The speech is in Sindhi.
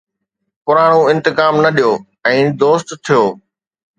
پراڻو انتقام نه ڏيو، ۽ دوست ٿيو